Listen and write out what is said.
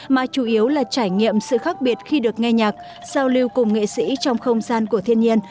mà chủ yếu là trải nghiệm sự khác biệt khi được nghe nhạc giao lưu cùng nghệ sĩ trong không gian của thiên nhiên